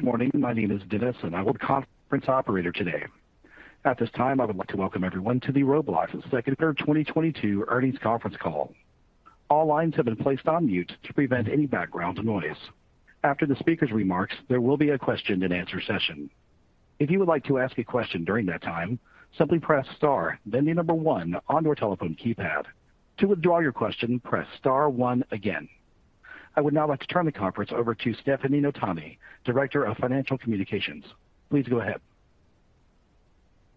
Good morning. My name is Dennis, and I will be your conference operator today. At this time, I would like to welcome everyone to the Roblox second quarter 2022 earnings conference call. All lines have been placed on mute to prevent any background noise. After the speaker's remarks, there will be a question and answer session. If you would like to ask a question during that time, simply press star, then the number 1 on your telephone keypad. To withdraw your question, press star one again. I would now like to turn the conference over to Stefanie Notaney, Director of Financial Communications. Please go ahead.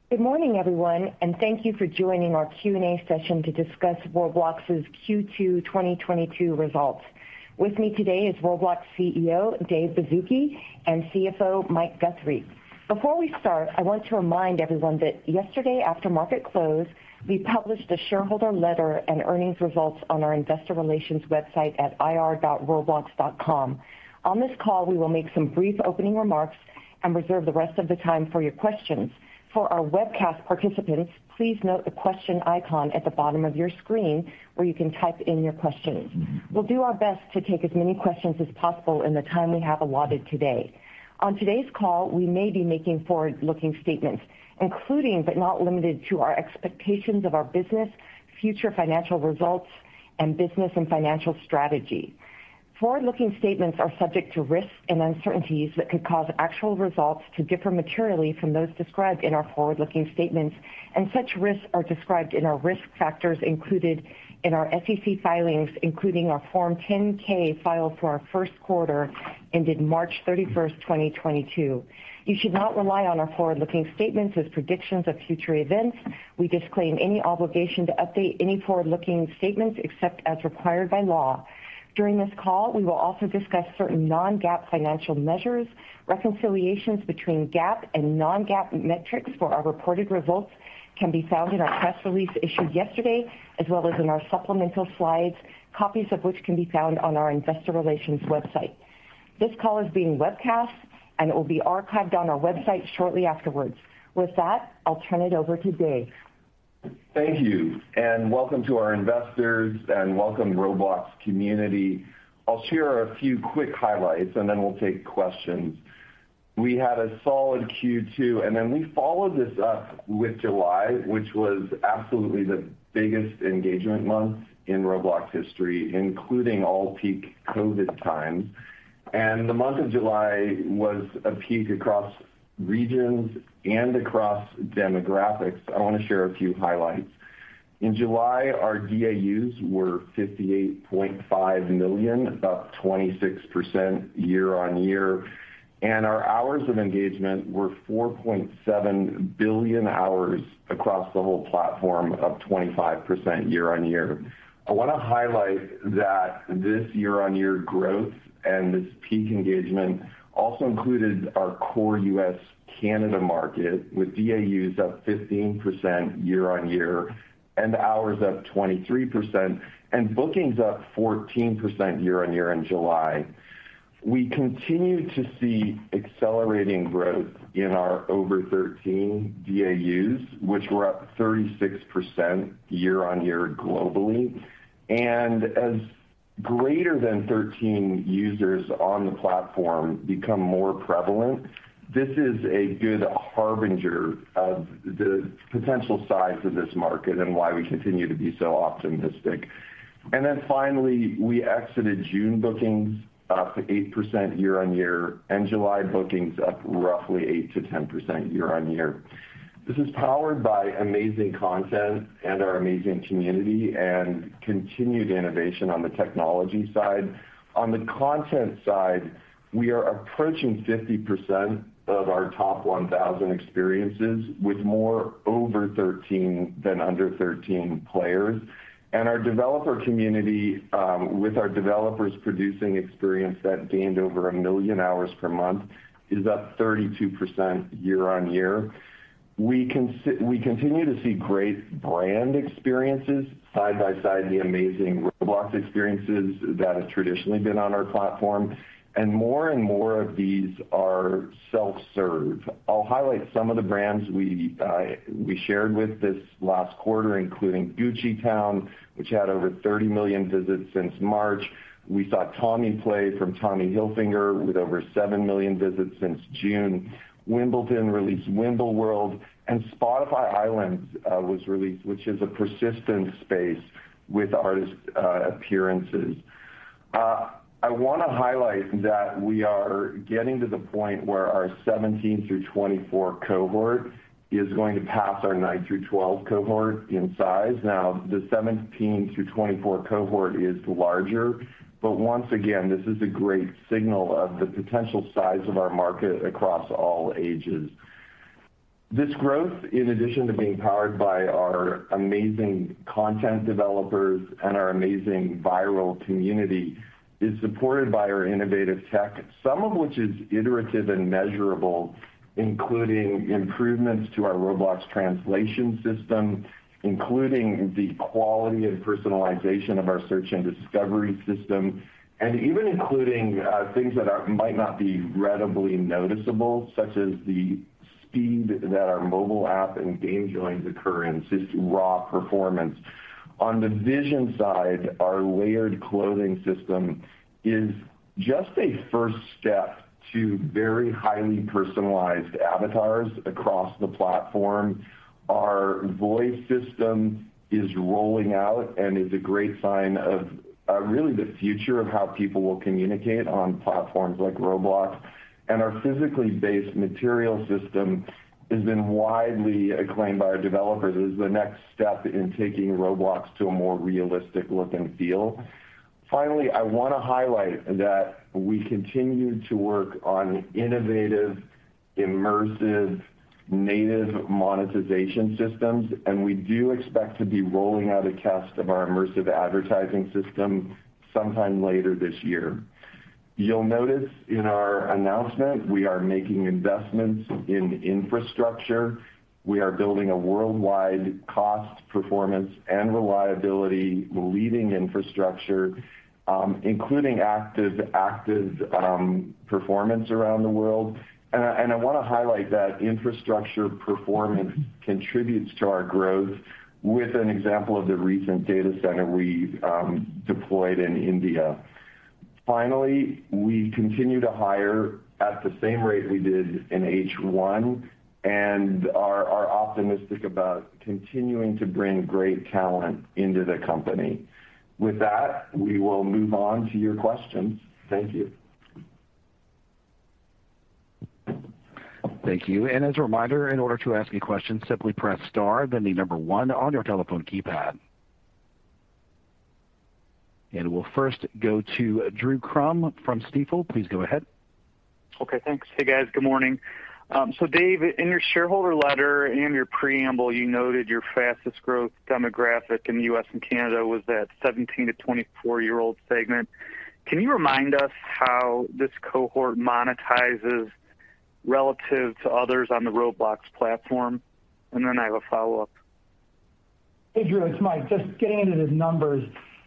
Good morning, everyone, and thank you for joining our Q&A session to discuss Roblox's Q2 2022 results. With me today is Roblox CEO, David Baszucki, and CFO, Michael Guthrie. Before we start, I want to remind everyone that yesterday after market close, we published a shareholder letter and earnings results on our investor relations website at ir.roblox.com. On this call, we will make some brief opening remarks and reserve the rest of the time for your questions. For our webcast participants, please note the question icon at the bottom of your screen where you can type in your questions. We'll do our best to take as many questions as possible in the time we have allotted today. On today's call, we may be making forward-looking statements, including but not limited to our expectations of our business, future financial results, and business and financial strategy. Forward-looking statements are subject to risks and uncertainties that could cause actual results to differ materially from those described in our forward-looking statements, and such risks are described in our risk factors included in our SEC filings, including our Form 10-K filed for our first quarter ended March 31, 2022. You should not rely on our forward-looking statements as predictions of future events. We disclaim any obligation to update any forward-looking statements except as required by law. During this call, we will also discuss certain non-GAAP financial measures. Reconciliations between GAAP and non-GAAP metrics for our reported results can be found in our press release issued yesterday, as well as in our supplemental slides, copies of which can be found on our investor relations website. This call is being webcast and will be archived on our website shortly afterwards. With that, I'll turn it over to Dave. Thank you, and welcome to our investors and welcome Roblox community. I'll share a few quick highlights, and then we'll take questions. We had a solid Q2, and then we followed this up with July, which was absolutely the biggest engagement month in Roblox history, including all peak COVID times. The month of July was a peak across regions and across demographics. I want to share a few highlights. In July, our DAUs were 58.5 million, up 26% year-over-year, and our hours of engagement were 4.7 billion hours across the whole platform, up 25% year-over-year. I want to highlight that this year-over-year growth and this peak engagement also included our core U.S., Canada market, with DAUs up 15% year-over-year and hours up 23% and bookings up 14% year-over-year in July. We continue to see accelerating growth in our over-13 DAUs, which were up 36% year-over-year globally. As greater than 13 users on the platform become more prevalent, this is a good harbinger of the potential size of this market and why we continue to be so optimistic. Finally, we exited June bookings up 8% year-over-year and July bookings up roughly 8%-10% year-over-year. This is powered by amazing content and our amazing community and continued innovation on the technology side. On the content side, we are approaching 50% of our top 1,000 experiences with more over-13 than under-13 players. Our developer community, with our developers producing experience that gained over 1 million hours per month, is up 32% year-over-year. We continue to see great brand experiences side by side the amazing Roblox experiences that have traditionally been on our platform, and more and more of these are self-serve. I'll highlight some of the brands we shared with this last quarter, including Gucci Town, which had over 30 million visits since March. We saw Tommy Play from Tommy Hilfiger with over 7 million visits since June. Wimbledon released WimbleWorld, and Spotify Island was released, which is a persistent space with artist appearances. I wanna highlight that we are getting to the point where our 17-24 cohort is going to pass our 9-12 cohort in size. Now, the 17-24 cohort is larger, but once again, this is a great signal of the potential size of our market across all ages. This growth, in addition to being powered by our amazing content developers and our amazing viral community, is supported by our innovative tech, some of which is iterative and measurable, including improvements to our Roblox translation system, including the quality and personalization of our search and discovery system, and even including things that might not be readily noticeable, such as the speed that our mobile app and game joins occur in, just raw performance. On the vision side, our layered clothing system is just a first step to very highly personalized avatars across the platform. Our voice system is rolling out and is a great sign of really the future of how people will communicate on platforms like Roblox. Our physically based material system has been widely acclaimed by our developers as the next step in taking Roblox to a more realistic look and feel. Finally, I want to highlight that we continue to work on innovative, immersive, native monetization systems, and we do expect to be rolling out a test of our immersive advertising system sometime later this year. You'll notice in our announcement we are making investments in infrastructure. We are building a worldwide cost, performance, and reliability leading infrastructure, including active performance around the world. I want to highlight that infrastructure performance contributes to our growth with an example of the recent data center we deployed in India. Finally, we continue to hire at the same rate we did in H1 and are optimistic about continuing to bring great talent into the company. With that, we will move on to your questions. Thank you. Thank you. As a reminder, in order to ask a question, simply press star then one on your telephone keypad. We'll first go to Drew Crum from Stifel. Please go ahead. Okay, thanks. Hey, guys. Good morning. Dave, in your shareholder letter, in your preamble, you noted your fastest growth demographic in the U.S. and Canada was that 17-24-year-old segment. Can you remind us how this cohort monetizes relative to others on the Roblox platform? Then I have a follow-up. Hey, Drew, it's Mike. Just getting into the numbers.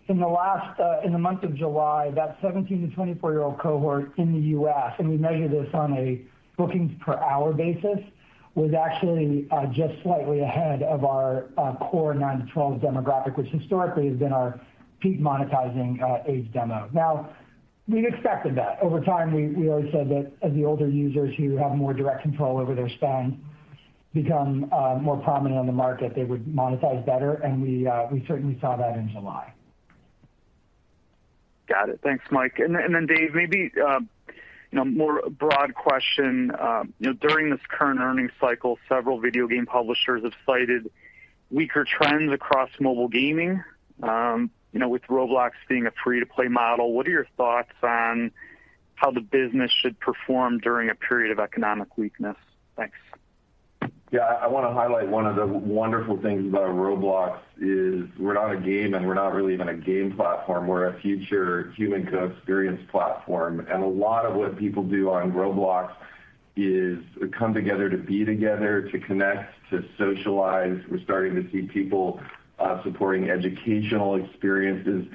In the month of July, that 17-24-year-old cohort in the U.S., and we measure this on a bookings per hour basis, was actually just slightly ahead of our core 9-12 demographic, which historically has been our peak monetizing age demo. Now, we'd expected that. Over time, we always said that as the older users who have more direct control over their spend become more prominent on the market, they would monetize better, and we certainly saw that in July. Got it. Thanks, Mike. Dave, maybe, you know, more broad question. You know, during this current earnings cycle, several video game publishers have cited weaker trends across mobile gaming. You know, with Roblox being a free-to-play model, what are your thoughts on how the business should perform during a period of economic weakness? Thanks. Yeah. I wanna highlight one of the wonderful things about Roblox is we're not a game, and we're not really even a game platform. We're a future human co-experience platform. A lot of what people do on Roblox is come together to be together, to connect, to socialize. We're starting to see people supporting educational experiences.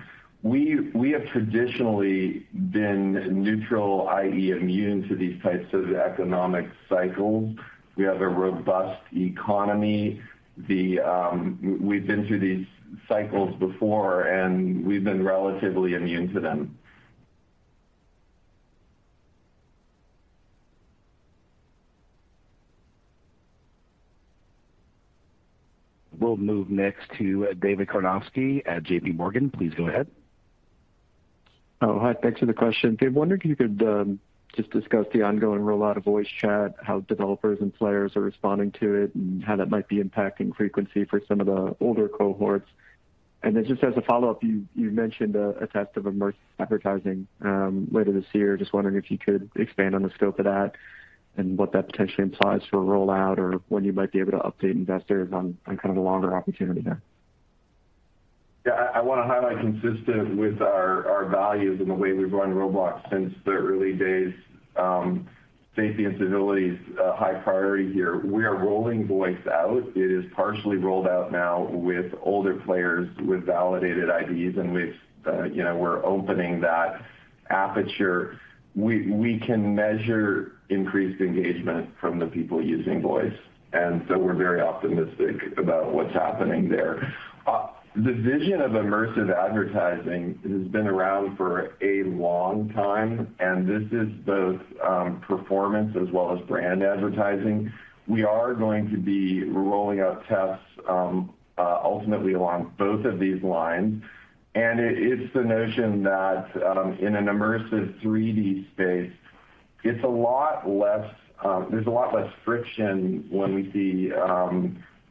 We have traditionally been neutral, i.e., immune to these types of economic cycles. We have a robust economy. We've been through these cycles before, and we've been relatively immune to them. We'll move next to David Karnovsky at J.P. Morgan. Please go ahead. Oh, hi. Thanks for the question. David Baszucki, wondering if you could just discuss the ongoing rollout of voice chat, how developers and players are responding to it, and how that might be impacting frequency for some of the older cohorts. Just as a follow-up, you mentioned a test of immersive advertising later this year. Just wondering if you could expand on the scope of that and what that potentially implies for rollout or when you might be able to update investors on kind of the longer opportunity there. Yeah. I wanna highlight consistent with our values and the way we've run Roblox since the early days, safety and civility is a high priority here. We are rolling voice out. It is partially rolled out now with older players with validated IDs and with, you know, we're opening that aperture. We can measure increased engagement from the people using voice, and so we're very optimistic about what's happening there. The vision of immersive advertising has been around for a long time, and this is both performance as well as brand advertising. We are going to be rolling out tests, ultimately along both of these lines. It is the notion that in an immersive 3D space, it's a lot less, there's a lot less friction when we see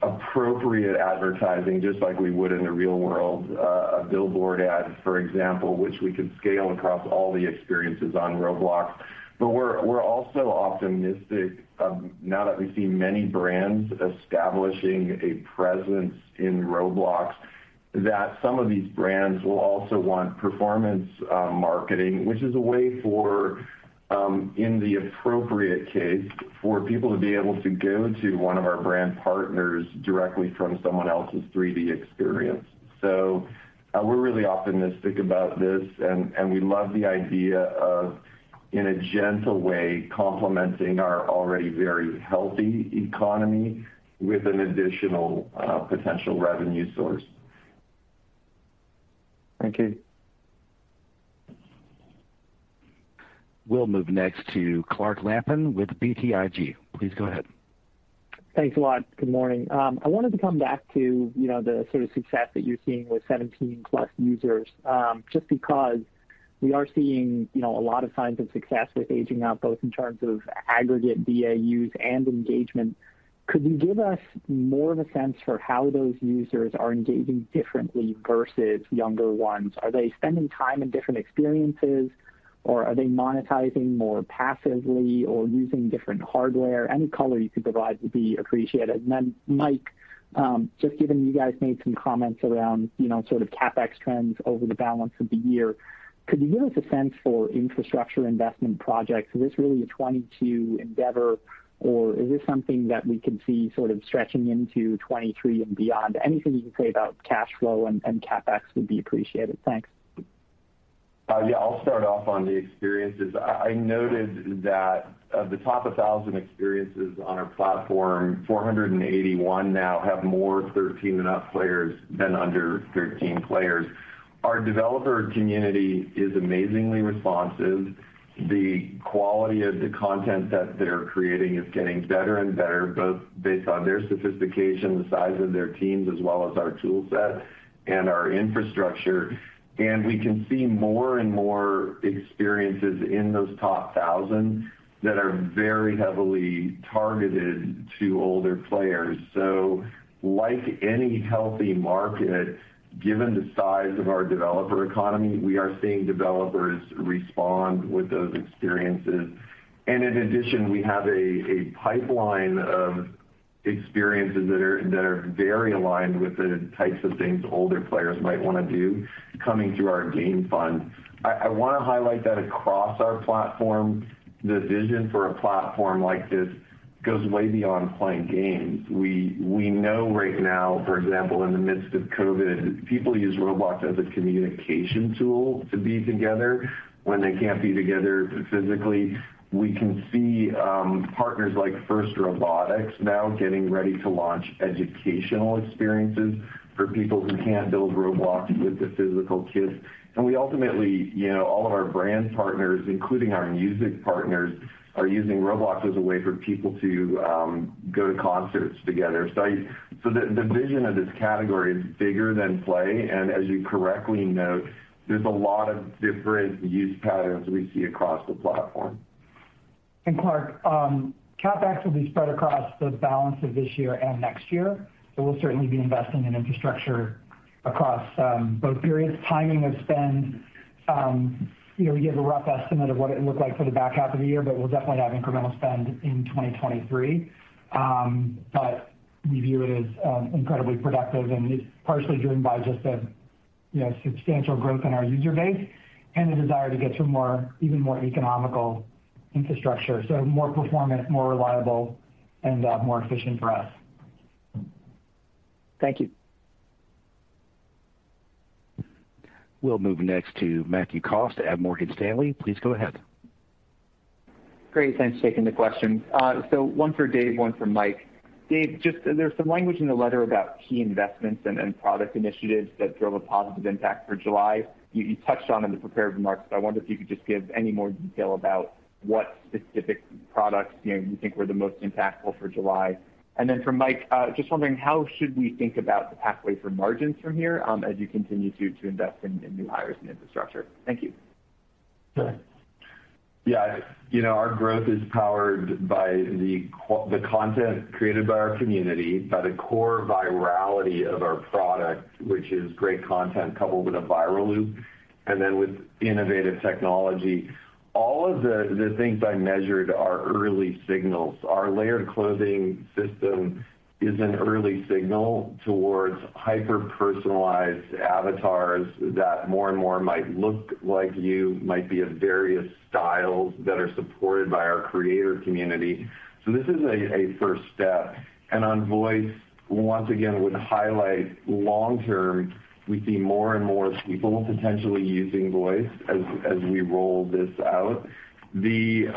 appropriate advertising just like we would in the real world, a billboard ad, for example, which we could scale across all the experiences on Roblox. We're also optimistic now that we've seen many brands establishing a presence in Roblox, that some of these brands will also want performance marketing, which is a way for in the appropriate case, for people to be able to go to one of our brand partners directly from someone else's 3D experience. We're really optimistic about this, and we love the idea of in a gentle way, complementing our already very healthy economy with an additional potential revenue source. Thank you. We'll move next to Clark Lampen with BTIG. Please go ahead. Thanks a lot. Good morning. I wanted to come back to, you know, the sort of success that you're seeing with 17+ users, just because we are seeing, you know, a lot of signs of success with aging out, both in terms of aggregate DAUs and engagement. Could you give us more of a sense for how those users are engaging differently versus younger ones? Are they spending time in different experiences or are they monetizing more passively or using different hardware? Any color you could provide would be appreciated. Mike, just given you guys made some comments around, you know, sort of CapEx trends over the balance of the year, could you give us a sense for infrastructure investment projects? Is this really a 2022 endeavor, or is this something that we could see sort of stretching into 2023 and beyond? Anything you can say about cash flow and CapEx would be appreciated. Thanks. Yeah, I'll start off on the experiences. I noted that of the top 1,000 experiences on our platform, 481 now have more 13 and up players than under 13 players. Our developer community is amazingly responsive. The quality of the content that they're creating is getting better and better, both based on their sophistication, the size of their teams, as well as our tool set and our infrastructure. We can see more and more experiences in those top 1,000 that are very heavily targeted to older players. Like any healthy market, given the size of our developer economy, we are seeing developers respond with those experiences. In addition, we have a pipeline of experiences that are very aligned with the types of things older players might want to do coming through our game fund. I want to highlight that across our platform, the vision for a platform like this goes way beyond playing games. We know right now, for example, in the midst of COVID, people use Roblox as a communication tool to be together when they can't be together physically. We can see partners like FIRST Robotics now getting ready to launch educational experiences for people who can't build Roblox with the physical kits. We ultimately, you know, all of our brand partners, including our music partners, are using Roblox as a way for people to go to concerts together. The vision of this category is bigger than play, and as you correctly note, there's a lot of different use patterns we see across the platform. Clark, CapEx will be spread across the balance of this year and next year, so we'll certainly be investing in infrastructure across both periods. Timing of spend, you know, we gave a rough estimate of what it looked like for the back half of the year, but we'll definitely have incremental spend in 2023. But we view it as incredibly productive, and it's partially driven by just a, you know, substantial growth in our user base and the desire to get to more, even more economical infrastructure, so more performant, more reliable and more efficient for us. Thank you. We'll move next to Matthew Cost at Morgan Stanley. Please go ahead. Great. Thanks, taking the question. So one for Dave, one for Mike. Dave, just there's some language in the letter about key investments and product initiatives that drove a positive impact for July. You touched on in the prepared remarks, but I wonder if you could just give any more detail about what specific products, you know, you think were the most impactful for July. Then for Mike, just wondering how should we think about the pathway for margins from here, as you continue to invest in new hires and infrastructure? Thank you. Sure. Yeah. You know, our growth is powered by the content created by our community, by the core virality of our product, which is great content coupled with a viral loop, and then with innovative technology. All of the things I measured are early signals. Our layered clothing system is an early signal towards hyper-personalized avatars that more and more might look like you, might be of various styles that are supported by our creator community. This is a first step. On voice, once again, I would highlight long term, we see more and more people potentially using voice as we roll this out. There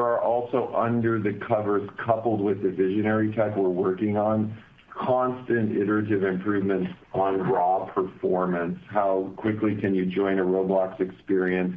are also under the covers, coupled with the visionary tech we're working on, constant iterative improvements on raw performance. How quickly can you join a Roblox experience?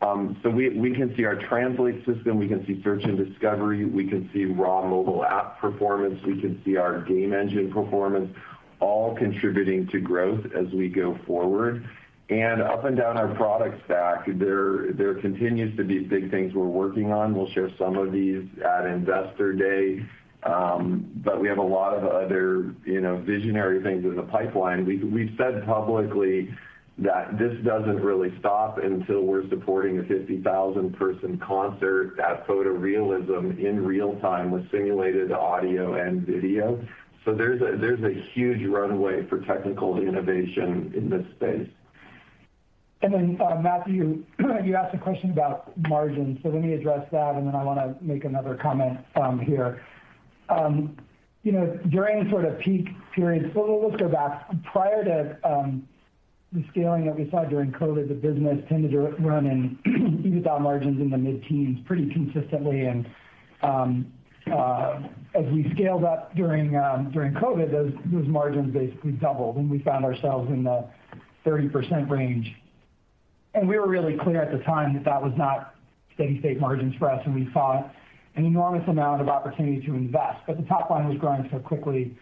We can see our translate system, we can see search and discovery, we can see raw mobile app performance, we can see our game engine performance all contributing to growth as we go forward. Up and down our product stack, there continues to be big things we're working on. We'll share some of these at Investor Day, but we have a lot of other, you know, visionary things in the pipeline. We've said publicly that this doesn't really stop until we're supporting a 50,000-person concert at photorealism in real time with simulated audio and video. There's a huge runway for technical innovation in this space. Matthew, you asked a question about margins, so let me address that, and then I want to make another comment here. Let's go back. Prior to the scaling that we saw during COVID, the business tended to run in EBITDA margins in the mid-teens pretty consistently and as we scaled up during COVID, those margins basically doubled, and we found ourselves in the 30% range. We were really clear at the time that that was not steady state margins for us, and we saw an enormous amount of opportunity to invest. The top line was growing so quickly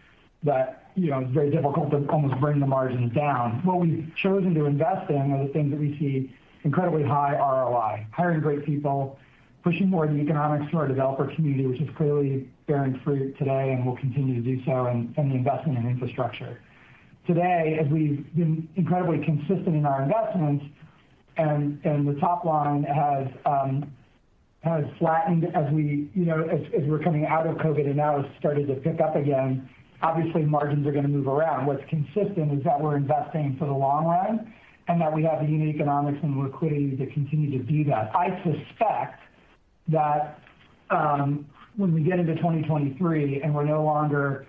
that, you know, it was very difficult to almost bring the margins down. What we've chosen to invest in are the things that we see incredibly high ROI. Hiring great people, pushing more of the economics to our developer community, which is clearly bearing fruit today and will continue to do so, and the investment in infrastructure. Today, as we've been incredibly consistent in our investments and the top line has flattened as we're coming out of COVID and now has started to pick up again, obviously margins are gonna move around. What's consistent is that we're investing for the long run and that we have the unique economics and liquidity to continue to do so. I suspect that when we get into 2023 and we're no longer,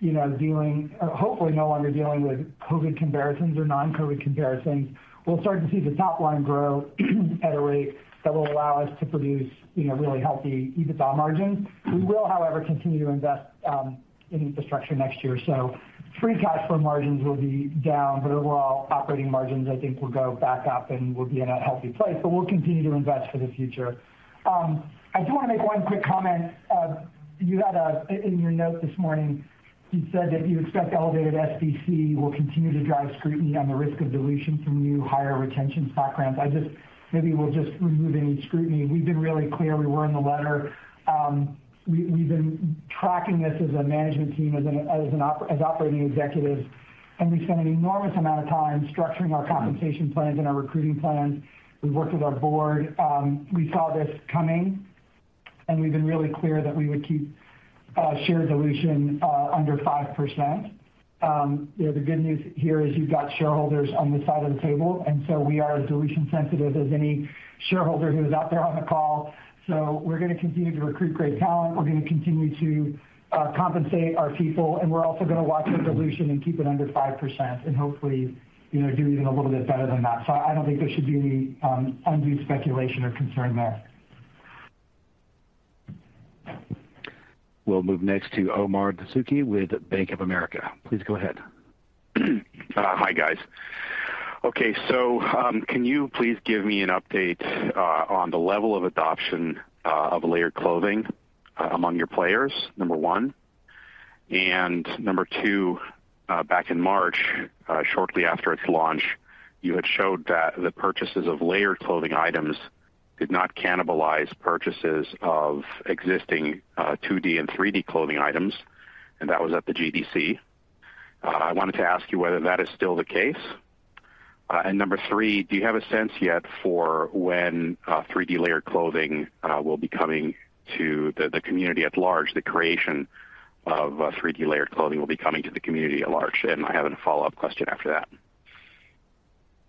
you know, dealing or hopefully no longer dealing with COVID comparisons or non-COVID comparisons, we'll start to see the top line grow at a rate that will allow us to produce, you know, really healthy EBITDA margins. We will, however, continue to invest in infrastructure next year. Free cash flow margins will be down, but overall operating margins I think will go back up and we'll be in a healthy place. We'll continue to invest for the future. I do wanna make one quick comment. In your note this morning, you said that you expect elevated SBC will continue to drive scrutiny on the risk of dilution from new hire retention stock grants. Maybe we'll just remove any scrutiny. We've been really clear. We were in the letter. We've been tracking this as a management team, as operating executives, and we spent an enormous amount of time structuring our compensation plans and our recruiting plans. We've worked with our board. We saw this coming, and we've been really clear that we would keep share dilution under 5%. You know, the good news here is you've got shareholders on this side of the table, and so we are as dilution sensitive as any shareholder who is out there on the call. We're gonna continue to recruit great talent. We're gonna continue to compensate our people, and we're also gonna watch the dilution and keep it under 5% and hopefully, you know, do even a little bit better than that. I don't think there should be any undue speculation or concern there. We'll move next to Omar Dessouky with Bank of America. Please go ahead. Hi, guys. Okay. Can you please give me an update on the level of adoption of layered clothing among your players? Number one. Number two, back in March, shortly after its launch, you had showed that the purchases of layered clothing items did not cannibalize purchases of existing 2D and 3D clothing items, and that was at the GDC. I wanted to ask you whether that is still the case. Number three, do you have a sense yet for when 3D layered clothing will be coming to the community at large, the creation of 3D layered clothing will be coming to the community at large? I have a follow-up question after that.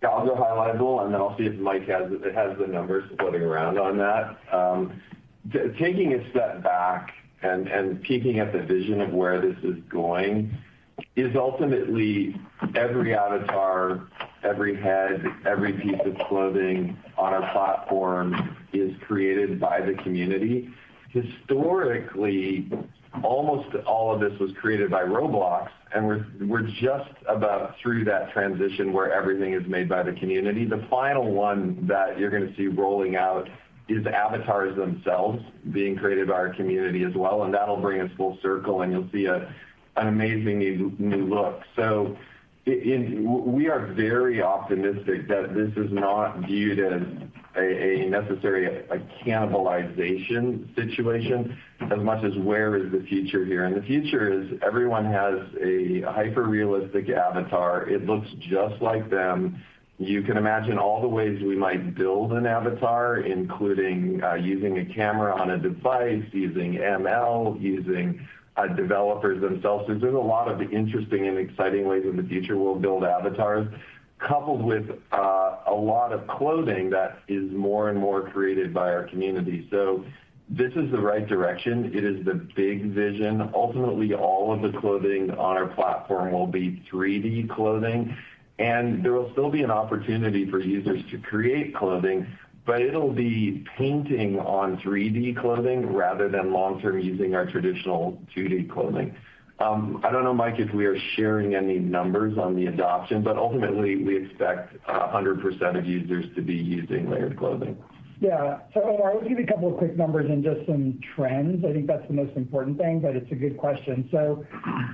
Yeah. I'll go high level, and then I'll see if Mike has the numbers floating around on that. Taking a step back and peeking at the vision of where this is going is ultimately every avatar, every head, every piece of clothing on our platform is created by the community. Historically, almost all of this was created by Roblox, and we're just about through that transition where everything is made by the community. The final one that you're gonna see rolling out is avatars themselves being created by our community as well, and that'll bring us full circle, and you'll see an amazingly new look. We are very optimistic that this is not viewed as a necessary cannibalization situation as much as where is the future here. The future is everyone has a hyperrealistic avatar. It looks just like them. You can imagine all the ways we might build an avatar, including using a camera on a device, using ML, using developers themselves. There's a lot of interesting and exciting ways in the future we'll build avatars, coupled with a lot of clothing that is more and more created by our community. This is the right direction. It is the big vision. Ultimately, all of the clothing on our platform will be 3D clothing, and there will still be an opportunity for users to create clothing, but it'll be painting on 3D clothing rather than long-term using our traditional 2D clothing. I don't know, Mike, if we are sharing any numbers on the adoption, but ultimately, we expect 100% of users to be using layered clothing. Yeah. I will give you a couple of quick numbers and just some trends. I think that's the most important thing, but it's a good question.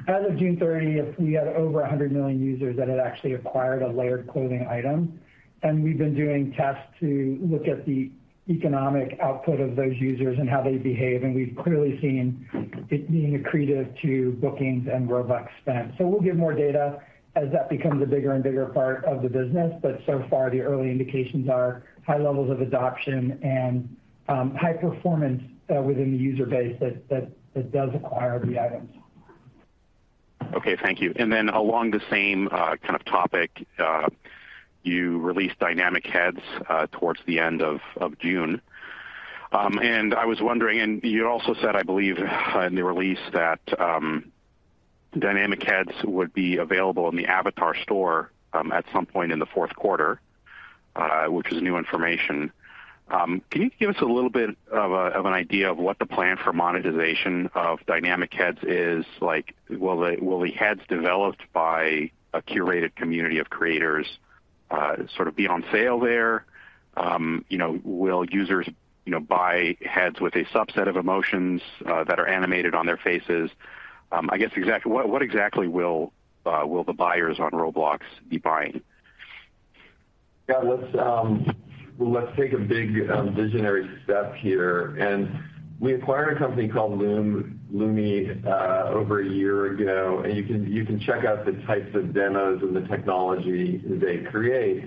As of June thirtieth, we had over 100 million users that had actually acquired a layered clothing item, and we've been doing tests to look at the economic output of those users and how they behave, and we've clearly seen it being accretive to bookings and Robux spend. We'll give more data as that becomes a bigger and bigger part of the business. So far, the early indications are high levels of adoption and high performance within the user base that does acquire the items. Okay. Thank you. Along the same kind of topic, you released dynamic heads towards the end of June. I was wondering. You also said, I believe, in the release that Dynamic heads would be available in the avatar store at some point in the fourth quarter, which is new information. Can you give us a little bit of an idea of what the plan for monetization of dynamic heads is? Like, will the heads developed by a curated community of creators sort of be on sale there? You know, will users you know, buy heads with a subset of emotions that are animated on their faces? I guess what exactly will the buyers on Roblox be buying? Yeah. Let's take a big visionary step here. We acquired a company called Loom.ai over a year ago, and you can check out the types of demos and the technology they create.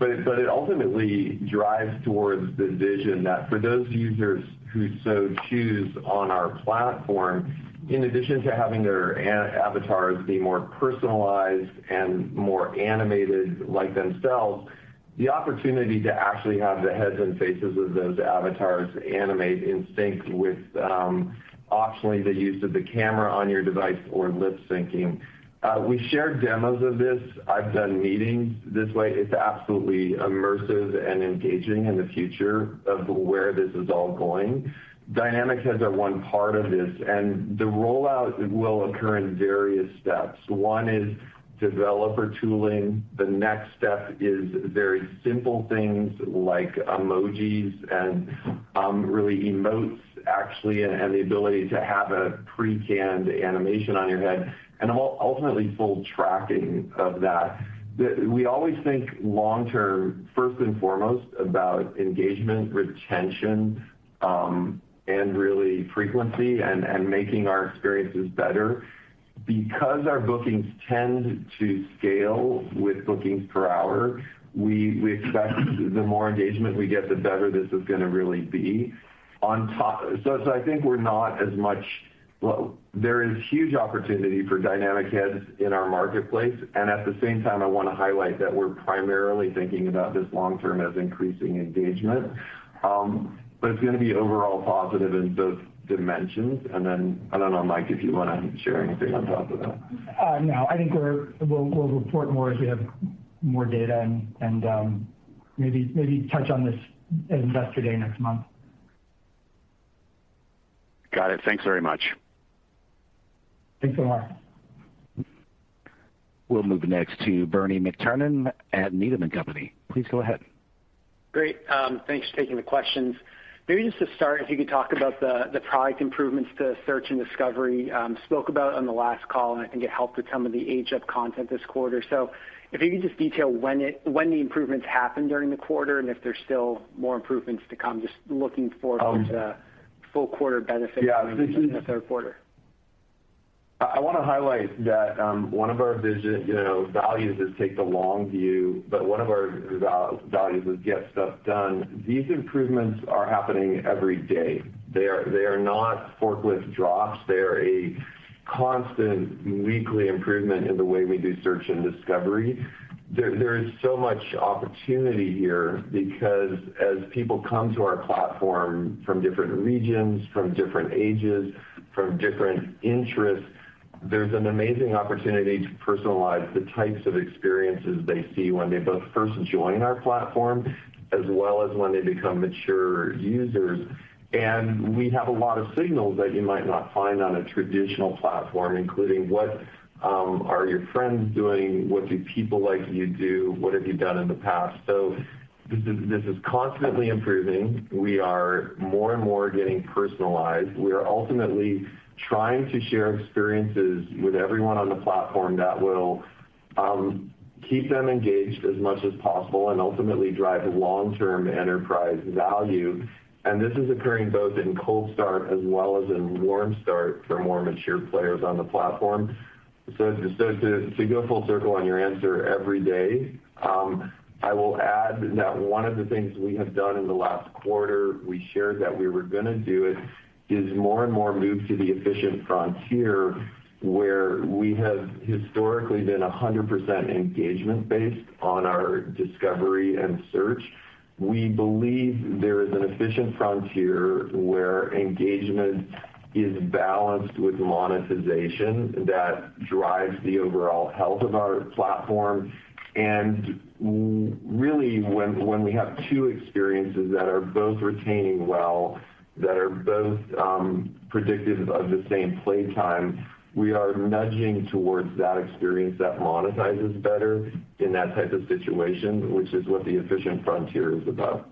It ultimately drives towards the vision that for those users who so choose on our platform, in addition to having their avatars be more personalized and more animated like themselves, the opportunity to actually have the heads and faces of those avatars animate in sync with, optionally the use of the camera on your device or lip syncing. We've shared demos of this. I've done meetings this way. It's absolutely immersive and engaging in the future of where this is all going. Dynamic heads are one part of this, and the rollout will occur in various steps. One is developer tooling. The next step is very simple things like emojis and, really emotes actually, and the ability to have a pre-canned animation on your head, and ultimately full tracking of that. We always think long-term, first and foremost, about engagement, retention, and really frequency and making our experiences better. Because our bookings tend to scale with bookings per hour, we expect the more engagement we get, the better this is gonna really be. On top. I think we're not as much. Well, there is huge opportunity for dynamic heads in our marketplace, and at the same time, I wanna highlight that we're primarily thinking about this long-term as increasing engagement. But it's gonna be overall positive in both dimensions. Then I don't know, Mike, if you wanna share anything on top of that. No. I think we'll report more as we have more data and maybe touch on this at Investor Day next month. Got it. Thanks very much. Thanks so much. We'll move next to Bernie McTernan at Needham & Company. Please go ahead. Great. Thanks for taking the questions. Maybe just to start, if you could talk about the product improvements to search and discovery. Spoke about it on the last call, and I think it helped with some of the age of content this quarter. If you could just detail when the improvements happened during the quarter and if there's still more improvements to come. Um- to the full quarter benefit Yeah. in the third quarter. I wanna highlight that one of our values you know is take the long view, but one of our values is get stuff done. These improvements are happening every day. They are not forklift drops. They are a constant weekly improvement in the way we do search and discovery. There is so much opportunity here because as people come to our platform from different regions, from different ages, from different interests, there's an amazing opportunity to personalize the types of experiences they see when they both first join our platform as well as when they become mature users. We have a lot of signals that you might not find on a traditional platform, including what are your friends doing? What do people like you do? What have you done in the past? This is constantly improving. We are more and more getting personalized. We are ultimately trying to share experiences with everyone on the platform that will keep them engaged as much as possible and ultimately drive long-term enterprise value. This is occurring both in cold start as well as in warm start for more mature players on the platform. To go full circle on your answer every day, I will add that one of the things we have done in the last quarter, we shared that we were gonna do it, is more and more move to the efficient frontier, where we have historically been 100% engagement based on our discovery and search. We believe there is an efficient frontier where engagement is balanced with monetization that drives the overall health of our platform. Really, when we have two experiences that are both retaining well, that are both predictive of the same play time, we are nudging towards that experience that monetizes better in that type of situation, which is what the efficient frontier is about.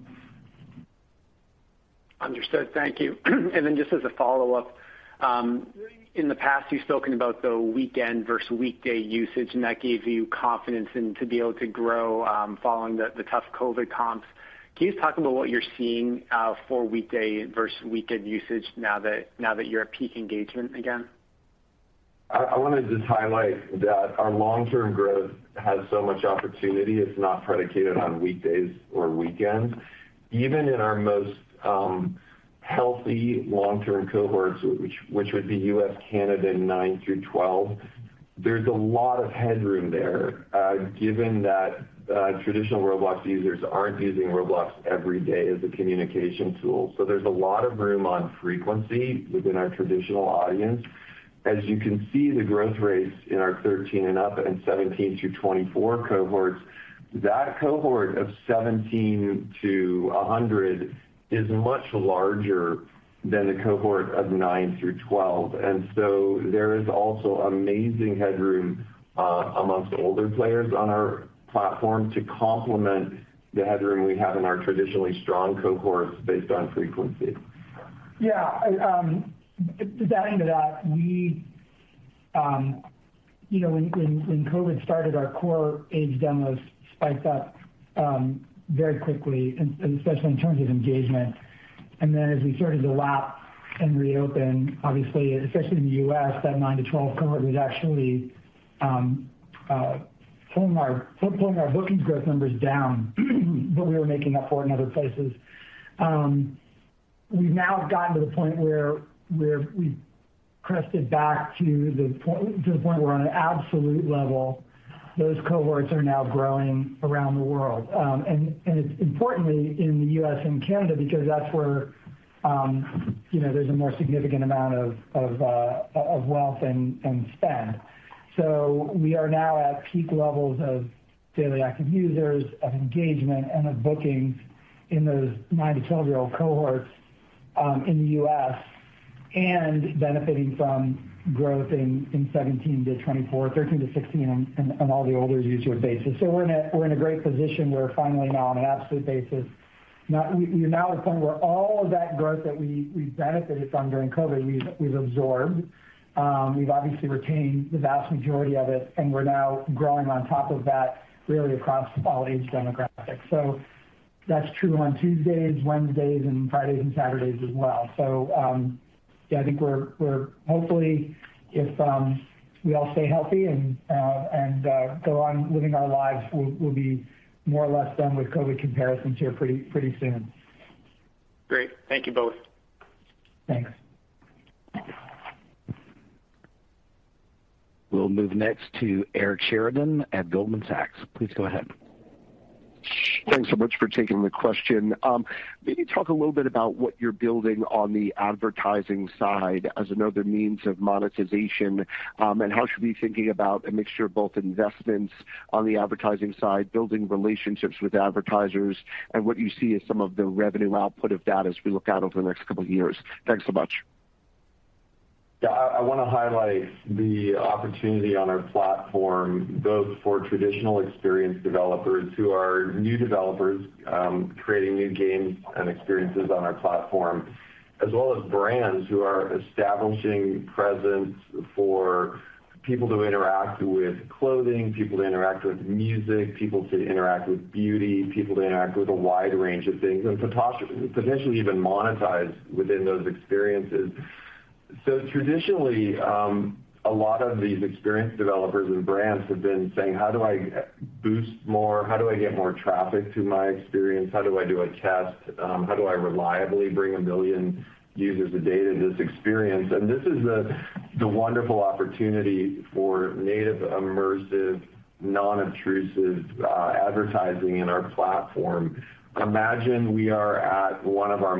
Understood. Thank you. Then just as a follow-up, in the past you've spoken about the weekend versus weekday usage, and that gave you confidence in to be able to grow following the tough COVID comps. Can you just talk about what you're seeing for weekday versus weekend usage now that you're at peak engagement again? I wanted to just highlight that our long-term growth has so much opportunity. It's not predicated on weekdays or weekends. Even in our most healthy long-term cohorts, which would be US, Canada, nine through 12. There's a lot of headroom there, given that, traditional Roblox users aren't using Roblox every day as a communication tool. There's a lot of room on frequency within our traditional audience. As you can see the growth rates in our 13 and up and 17 to 24 cohorts, that cohort of 17 to 100 is much larger than the cohort of 9 through 12. There is also amazing headroom amongst older players on our platform to complement the headroom we have in our traditionally strong cohorts based on frequency. Yeah, to dive into that, we, you know, when COVID started, our core age demos spiked up very quickly, especially in terms of engagement. Then as we started to lap and reopen, obviously, especially in the U.S., that 9 to 12 cohort was actually pulling our booking growth numbers down, but we were making up for it in other places. We've now gotten to the point where we've crested back to the point where on an absolute level, those cohorts are now growing around the world. Importantly in the U.S. and Canada, because that's where, you know, there's a more significant amount of wealth and spend. We are now at peak levels of daily active users, of engagement, and of bookings in those nine- to 12-year-old cohorts in the U.S. and benefiting from growth in 17- to 24-, 13- to 16- on all the older user bases. We're in a great position where finally now on an absolute basis, we're now at a point where all of that growth that we benefited from during COVID, we've absorbed. We've obviously retained the vast majority of it, and we're now growing on top of that really across all age demographics. That's true on Tuesdays, Wednesdays, and Fridays and Saturdays as well. Yeah, I think we're hopefully if we all stay healthy and go on living our lives, we'll be more or less done with COVID comparisons here pretty soon. Great. Thank you both. Thanks. We'll move next to Eric Sheridan at Goldman Sachs. Please go ahead. Thanks so much for taking the question. Maybe talk a little bit about what you're building on the advertising side as another means of monetization, and how should we be thinking about a mixture of both investments on the advertising side, building relationships with advertisers, and what you see as some of the revenue output of that as we look out over the next couple years? Thanks so much. Yeah. I wanna highlight the opportunity on our platform, both for traditional experienced developers who are new developers, creating new games and experiences on our platform, as well as brands who are establishing presence for people to interact with clothing, people to interact with music, people to interact with beauty, people to interact with a wide range of things, and potentially even monetize within those experiences. Traditionally, a lot of these experienced developers and brands have been saying, "How do I boost more? How do I get more traffic to my experience? How do I do a test? How do I reliably bring 1 million users a day to this experience?" This is the wonderful opportunity for native, immersive, non-intrusive advertising in our platform. Imagine we are at one of our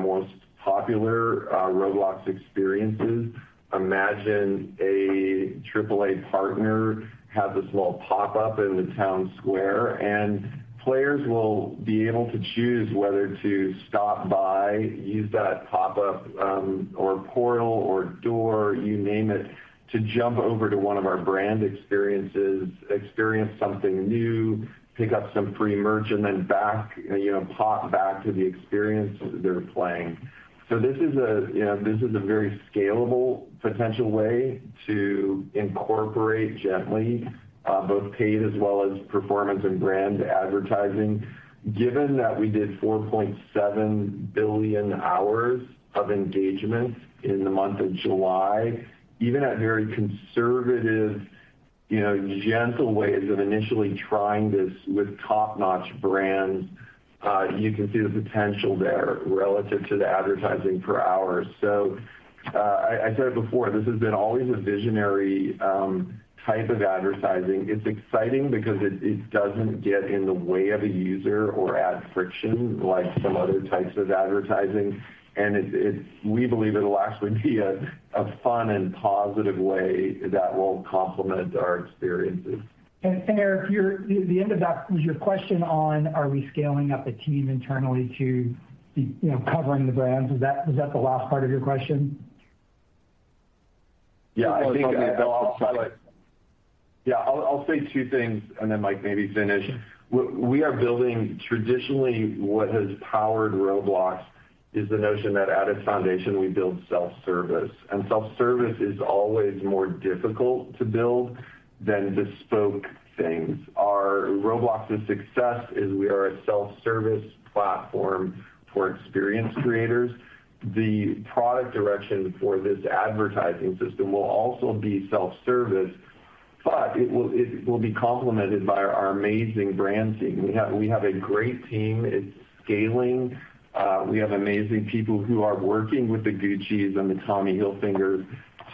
most popular Roblox experiences. Imagine a triple A partner has a small pop-up in the town square, and players will be able to choose whether to stop by, use that pop-up, or portal or door, you name it, to jump over to one of our brand experiences, experience something new, pick up some free merch, and then back, you know, pop back to the experience they're playing. This is a, you know, this is a very scalable potential way to incorporate gently, both paid as well as performance and brand advertising. Given that we did 4.7 billion hours of engagement in the month of July, even at very conservative, you know, gentle ways of initially trying this with top-notch brands, you can see the potential there relative to the advertising per hour. I said it before, this has been always a visionary type of advertising. It's exciting because it doesn't get in the way of a user or add friction like some other types of advertising. We believe it'll actually be a fun and positive way that will complement our experiences. Eric, the end of that was your question on are we scaling up a team internally to be, you know, covering the brands? Is that the last part of your question? Yeah. I think I'll highlight. Yeah. I'll say two things and then Mike maybe finish. We are building traditionally what has powered Roblox is the notion that at its foundation we build self-service, and self-service is always more difficult to build than bespoke things. Our Roblox's success is we are a self-service platform for experience creators. The product direction for this advertising system will also be self-service. It will be complemented by our amazing brand team. We have a great team. It's scaling. We have amazing people who are working with Gucci and Tommy Hilfiger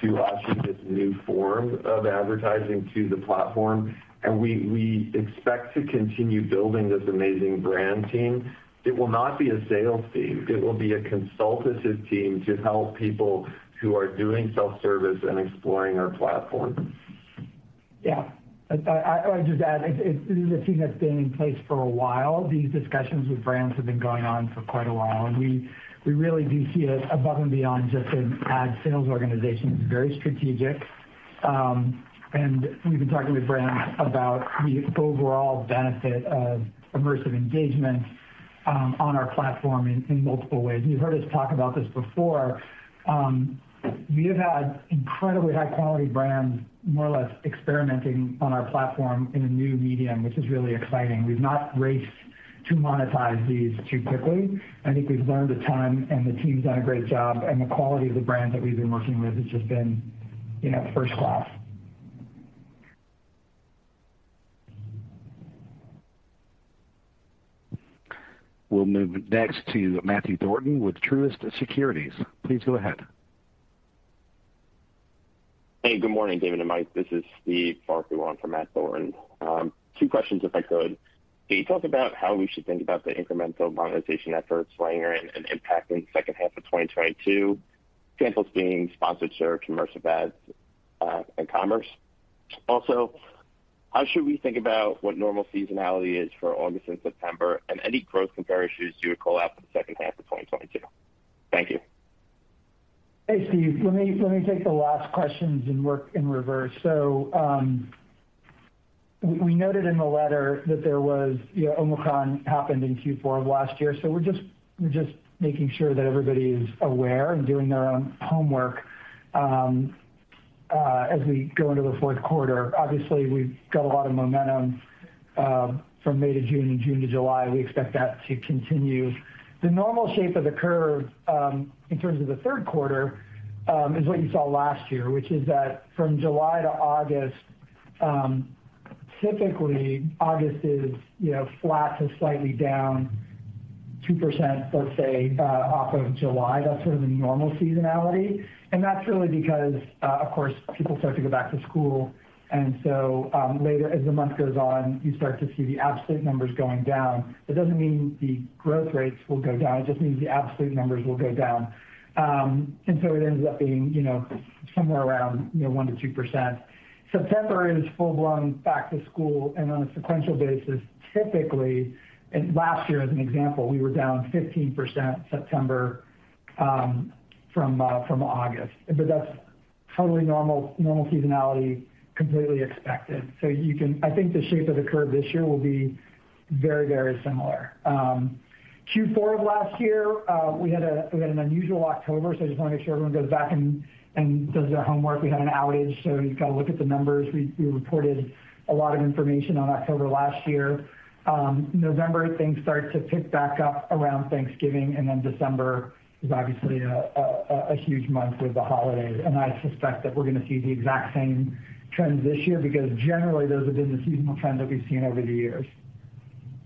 to usher this new form of advertising to the platform. We expect to continue building this amazing brand team. It will not be a sales team. It will be a consultative team to help people who are doing self-service and exploring our platform. Yeah. I'll just add it. This is a team that's been in place for a while. These discussions with brands have been going on for quite a while. We really do see it above and beyond just an ad sales organization. It's very strategic. We've been talking with brands about the overall benefit of immersive engagement on our platform in multiple ways. You've heard us talk about this before. We have had incredibly high quality brands more or less experimenting on our platform in a new medium, which is really exciting. We've not raced to monetize these too quickly. I think we've learned a ton and the team's done a great job, and the quality of the brands that we've been working with has just been, you know, first class. We'll move next to Matthew Thornton with Truist Securities. Please go ahead. Hey, good morning, David and Mike. This is Steve Barkov on for Matt Thornton. Two questions if I could. Can you talk about how we should think about the incremental monetization efforts playing out and impacting second half of 2022, examples being sponsored search, immersive ads, and commerce? Also, how should we think about what normal seasonality is for August and September, and any growth comparators you would call out for the second half of 2022? Thank you. Hey, Steve. Let me take the last questions and work in reverse. We noted in the letter that there was, you know, Omicron happened in Q4 of last year. We're just making sure that everybody is aware and doing their own homework as we go into the fourth quarter. Obviously, we've got a lot of momentum from May to June and June to July. We expect that to continue. The normal shape of the curve in terms of the third quarter is what you saw last year, which is that from July to August, typically August is, you know, flat to slightly down 2%, let's say, off of July. That's sort of the normal seasonality. That's really because, of course, people start to go back to school. Later as the month goes on, you start to see the absolute numbers going down. That doesn't mean the growth rates will go down. It just means the absolute numbers will go down. It ends up being, you know, somewhere around, you know, 1%-2%. September is full-blown back to school. On a sequential basis, typically, and last year as an example, we were down 15% September from August. But that's totally normal seasonality, completely expected. I think the shape of the curve this year will be very, very similar. Q4 of last year, we had an unusual October, so I just want to make sure everyone goes back and does their homework. We had an outage, so you've got to look at the numbers. We reported a lot of information on October last year. November, things start to pick back up around Thanksgiving, and then December is obviously a huge month with the holidays. I suspect that we're going to see the exact same trends this year because generally those have been the seasonal trends that we've seen over the years.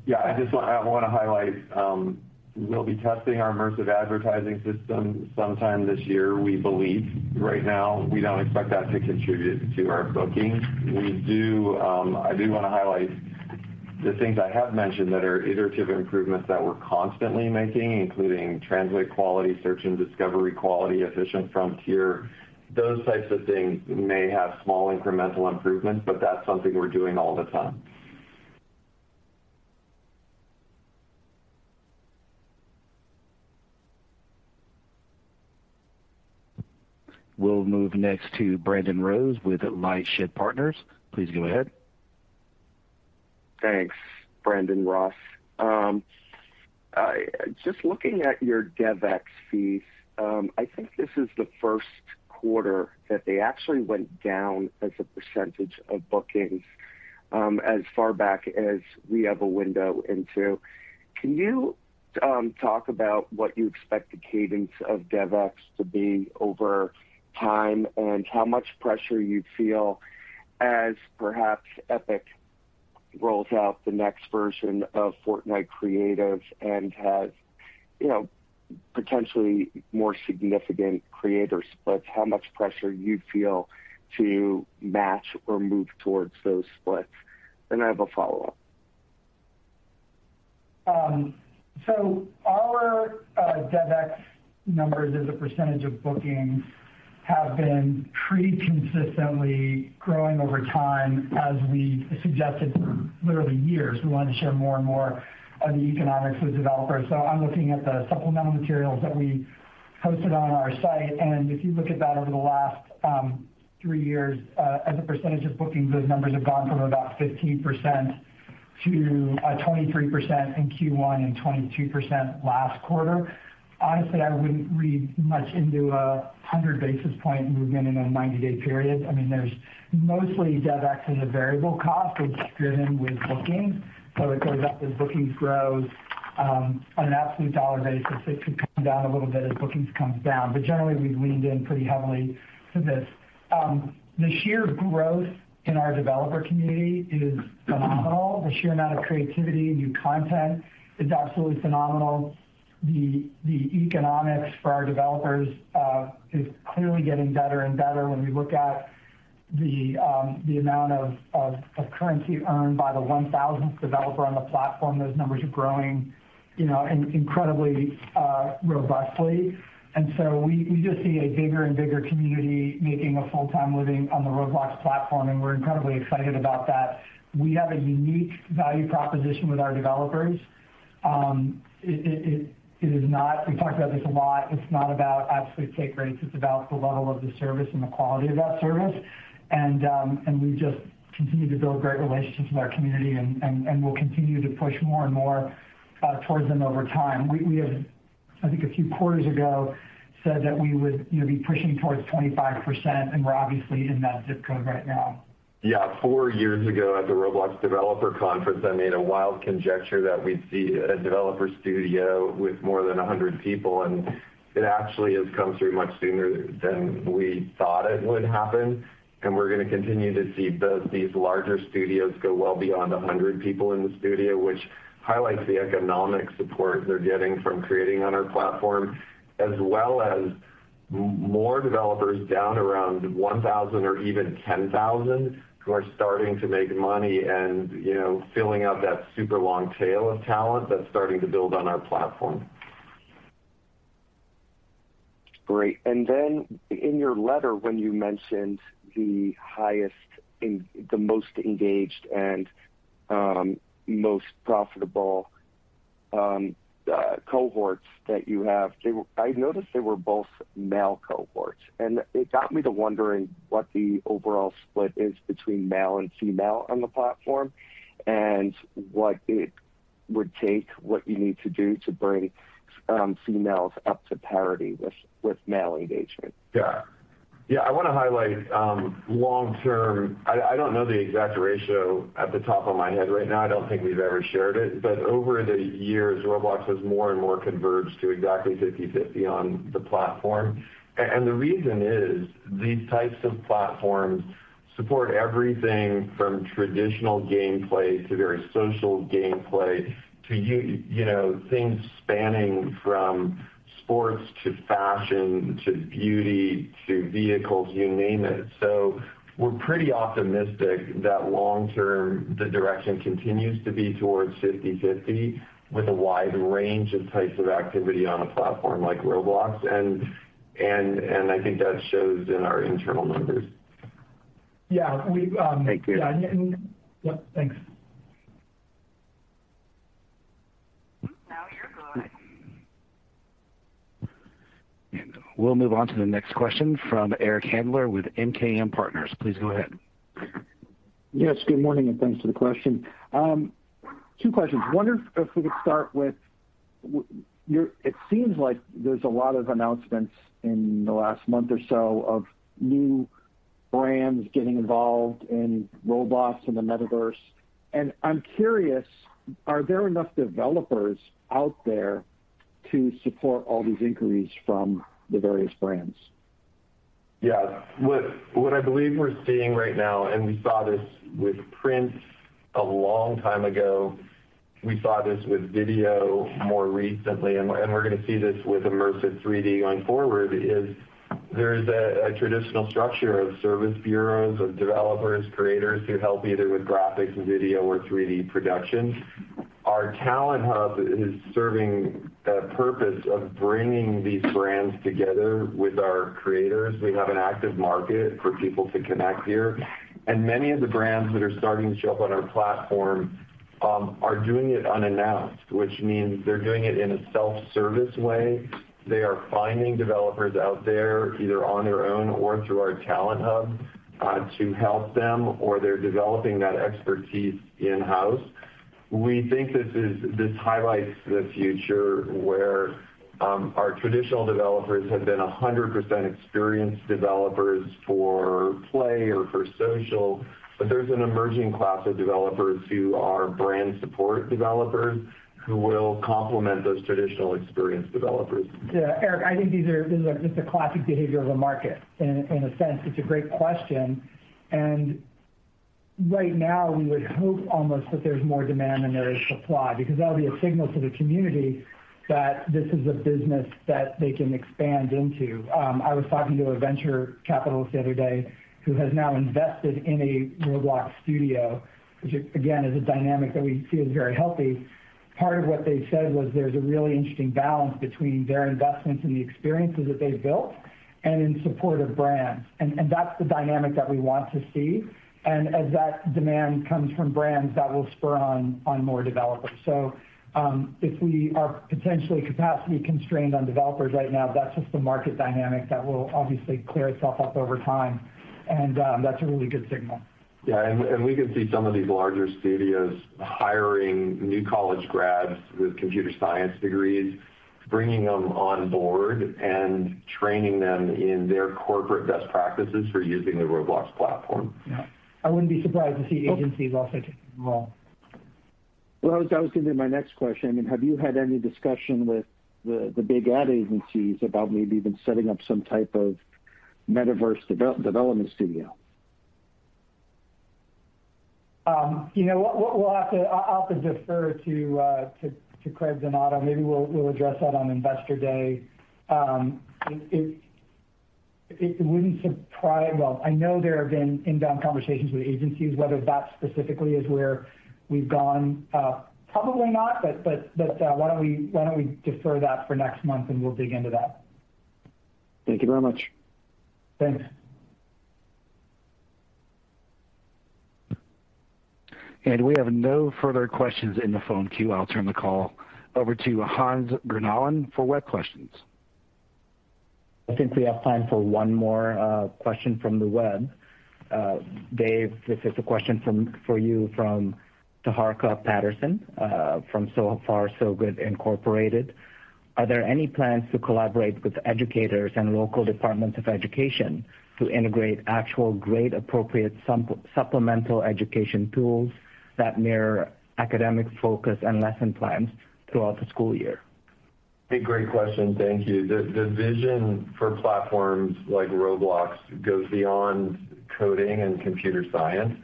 Yeah. I want to highlight we'll be testing our immersive advertising system sometime this year. We believe right now we don't expect that to contribute to our bookings. I do want to highlight the things I have mentioned that are iterative improvements that we're constantly making, including translation quality, search and discovery quality, efficient frontier. Those types of things may have small incremental improvements, but that's something we're doing all the time. We'll move next to Brandon Ross with LightShed Partners. Please go ahead. Thanks, Brandon Ross. Just looking at your DevEx fees, I think this is the first quarter that they actually went down as a percentage of bookings, as far back as we have a window into. Can you talk about what you expect the cadence of DevEx to be over time and how much pressure you feel as perhaps Epic rolls out the next version of Fortnite Creative and has potentially more significant creator splits? How much pressure you feel to match or move towards those splits? Then I have a follow-up. Our DevEx numbers as a percentage of bookings have been pretty consistently growing over time as we suggested for literally years. We wanted to share more and more of the economics with developers. I'm looking at the supplemental materials that we posted on our site. If you look at that over the last three years, as a percentage of bookings, those numbers have gone from about 15% to 23% in Q1 and 22% last quarter. Honestly, I wouldn't read much into a 100 basis point movement in a 90-day period. I mean, DevEx is mostly a variable cost. It's driven with bookings. It goes up as bookings grows. On an absolute dollar basis, it could come down a little bit as bookings comes down. Generally, we've leaned in pretty heavily to this. The sheer growth in our developer community is phenomenal. The sheer amount of creativity and new content is absolutely phenomenal. The economics for our developers is clearly getting better and better when we look at the amount of currency earned by the 1000th developer on the platform, those numbers are growing, you know, incredibly robustly. We just see a bigger and bigger community making a full-time living on the Roblox platform, and we're incredibly excited about that. We have a unique value proposition with our developers. It is not. We talk about this a lot, it's not about absolute take rates, it's about the level of the service and the quality of that service. We just continue to build great relationships with our community and we'll continue to push more and more towards them over time. We have, I think a few quarters ago, said that we would, you know, be pushing towards 25%, and we're obviously in that zip code right now. Yeah. Four years ago at the Roblox Developers Conference, I made a wild conjecture that we'd see a developer studio with more than 100 people, and it actually has come through much sooner than we thought it would happen. We're gonna continue to see both these larger studios go well beyond 100 people in the studio, which highlights the economic support they're getting from creating on our platform, as well as more developers down around 1,000 or even 10,000 who are starting to make money and, you know, filling out that super long tail of talent that's starting to build on our platform. Great. Then in your letter when you mentioned the most engaged and most profitable cohorts that you have, I noticed they were both male cohorts. It got me to wondering what the overall split is between male and female on the platform, and what it would take, what you need to do to bring females up to parity with male engagement. Yeah. Yeah, I wanna highlight long term. I don't know the exact ratio off the top of my head right now. I don't think we've ever shared it. Over the years, Roblox has more and more converged to exactly 50/50 on the platform. The reason is these types of platforms support everything from traditional gameplay to very social gameplay to you know, things spanning from sports to fashion, to beauty, to vehicles, you name it. We're pretty optimistic that long term, the direction continues to be towards 50/50 with a wide range of types of activity on a platform like Roblox, and I think that shows in our internal numbers. Yeah. We've Thank you. Yeah. Yeah, thanks. Now you're good. We'll move on to the next question from Eric Handler with MKM Partners. Please go ahead. Yes, good morning, and thanks for the question. Two questions. It seems like there's a lot of announcements in the last month or so of new brands getting involved in Roblox and the Metaverse, and I'm curious, are there enough developers out there to support all these inquiries from the various brands? Yeah. What I believe we're seeing right now, and we saw this with print a long time ago, we saw this with video more recently, and we're gonna see this with immersive 3D going forward, is a traditional structure of service bureaus, of developers, creators who help either with graphics and video or 3D production. Our Talent Hub is serving a purpose of bringing these brands together with our creators. We have an active market for people to connect here. Many of the brands that are starting to show up on our platform are doing it unannounced, which means they're doing it in a self-service way. They are finding developers out there, either on their own or through our Talent Hub, to help them, or they're developing that expertise in-house. We think this highlights the future where, our traditional developers have been 100% experienced developers for play or for social, but there's an emerging class of developers who are brand support developers who will complement those traditional experienced developers. Yeah. Eric, I think these are just a classic behavior of a market in a sense. It's a great question. Right now we would hope almost that there's more demand than there is supply, because that'll be a signal to the community that this is a business that they can expand into. I was talking to a venture capitalist the other day who has now invested in a Roblox studio, which again, is a dynamic that we see as very healthy. Part of what they said was, there's a really interesting balance between their investments and the experiences that they've built and in support of brands. And that's the dynamic that we want to see. As that demand comes from brands, that will spur on more developers. If we are potentially capacity constrained on developers right now, that's just the market dynamic that will obviously clear itself up over time. That's a really good signal. We can see some of these larger studios hiring new college grads with computer science degrees, bringing them on board and training them in their corporate best practices for using the Roblox platform. Yeah. I wouldn't be surprised to see agencies also taking them on. Well, that was gonna be my next question. I mean, have you had any discussion with the big ad agencies about maybe even setting up some type of Metaverse development studio? You know what, we'll have to defer to Craig Donato. Maybe we'll address that on Investor Day. It wouldn't surprise. Well, I know there have been inbound conversations with agencies. Whether that specifically is where we've gone, probably not. Why don't we defer that for next month and we'll dig into that. Thank you very much. Thanks. We have no further questions in the phone queue. I'll turn the call over to Anna Grenholm for web questions. I think we have time for one more question from the web. Dave, this is a question for you from Taharka Patterson from So Far So Good Incorporated. Are there any plans to collaborate with educators and local departments of education to integrate actual grade-appropriate supplemental education tools that mirror academic focus and lesson plans throughout the school year? A great question, thank you. The vision for platforms like Roblox goes beyond coding and computer science,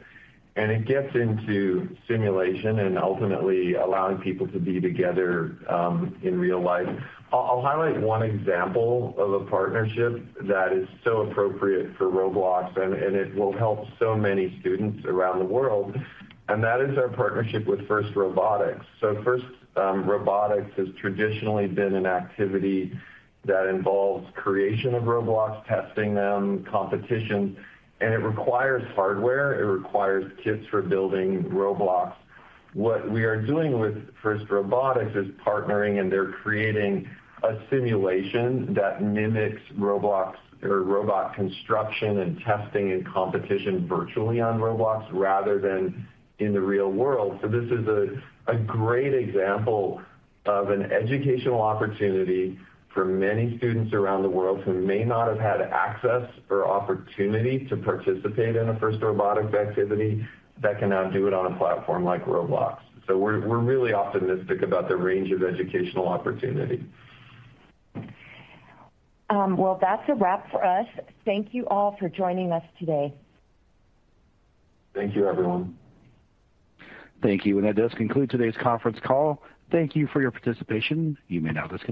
and it gets into simulation and ultimately allowing people to be together in real life. I'll highlight one example of a partnership that is so appropriate for Roblox and it will help so many students around the world, and that is our partnership with FIRST Robotics. FIRST Robotics has traditionally been an activity that involves creation of robots, testing them, competition, and it requires hardware, it requires kits for building robots. What we are doing with FIRST Robotics is partnering, and they're creating a simulation that mimics robot construction and testing and competition virtually on Roblox rather than in the real world. This is a great example of an educational opportunity for many students around the world who may not have had access or opportunity to participate in a FIRST Robotics activity that can now do it on a platform like Roblox. We're really optimistic about the range of educational opportunity. Well, that's a wrap for us. Thank you all for joining us today. Thank you, everyone. Thank you. That does conclude today's conference call. Thank you for your participation. You may now disconnect.